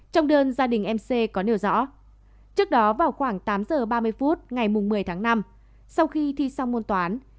trong đơn gia đình mc có nêu rõ trước đó vào khoảng tám giờ ba mươi phút ngày một mươi tháng năm sau khi thi xong môn toán